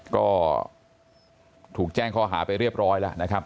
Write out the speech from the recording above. ก็ถูกแจ้งข้อหาไปเรียบร้อยแล้วนะครับ